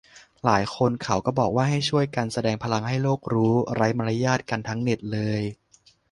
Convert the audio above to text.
หลายคนเขาก็บอกว่าให้ช่วยกันแสดงพลังให้โลกรู้ - ไร้มารยาทกันทั้งเน็ตเลย